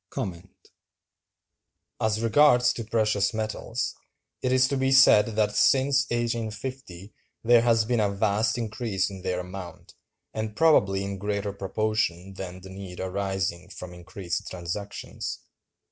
As regards the precious metals, it is to be said that since 1850 there has been a vast increase in their amount, and probably in greater proportion than the need arising from increased transactions.